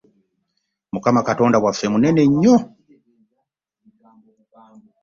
Mukama Katonda waffe munene nnyo!